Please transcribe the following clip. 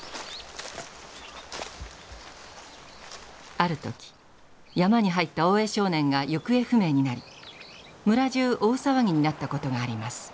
ある時山に入った大江少年が行方不明になり村中大騒ぎになったことがあります。